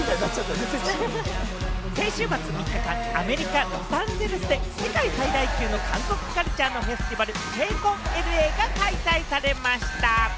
先週末の３日間、アメリカ・ロサンゼルスで世界最大級の韓国カルチャーのフェスティバル・ＫＣＯＮＬＡが開催されました。